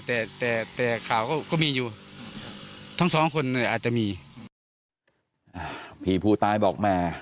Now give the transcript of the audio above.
แต่แต่แต่ข่าวก็ก็มีอยู่ทั้งสองคนเนี่ยอาจจะมีอ่าพี่ผู้ตายบอกแม่